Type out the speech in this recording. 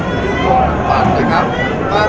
มุมการก็อ่ามุมการก็แจ้งแล้วเข้ากลับมานะครับ